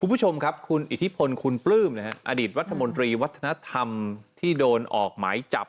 คุณผู้ชมครับคุณอิทธิพลคุณปลื้มอดีตรัฐมนตรีวัฒนธรรมที่โดนออกหมายจับ